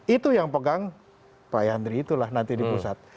itu yang pegang pak yandri itulah nanti di pusat